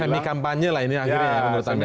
semi kampanye lah ini akhirnya menurut anda